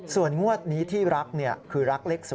ส่วนงวดนี้ที่รักเนี่ยคือรักเลข๐